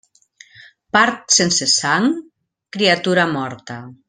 Part sense sang, criatura morta.